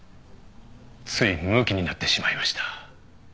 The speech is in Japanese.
ついむきになってしまいました。